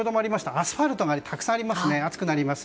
アスファルトがたくさんあり暑くなります。